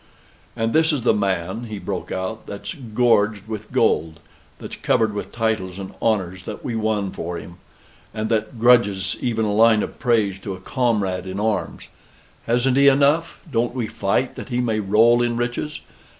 "And this is the man," he broke out, "that's gorged with gold that's covered with titles and honors that we won for him and that grudges even a line of praise to a comrade in arms! Hasn't he enough? Don't we fight that he may roll in riches?